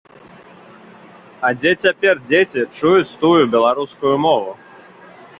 А дзе цяпер дзеці чуюць тую беларускую мову?